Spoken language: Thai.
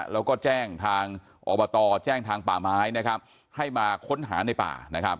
แล้วก็แจ้งทางอบตแจ้งทางป่าไม้นะครับให้มาค้นหาในป่านะครับ